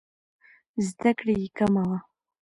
زده کړې یې کمه وه.